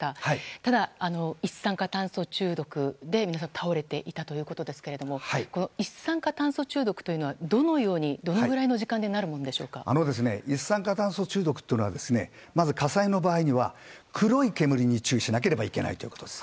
ただ、一酸化炭素中毒で皆さん倒れていたということですが一酸化炭素中毒というのはどのように、どのぐらいの時間で一酸化炭素中毒というのはまず火災の場合には、黒い煙に注意しなければいけないということです。